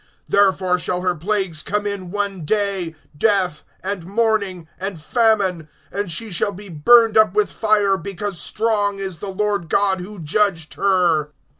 (8)Therefore shall her plagues come in one day, death, and mourning, and famine; and she shall be burned up with fire because strong is the Lord God who judged her.